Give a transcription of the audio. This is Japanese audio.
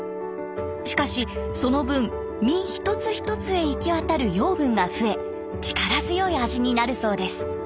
しかしその分実一つ一つへ行き渡る養分が増え力強い味になるそうです。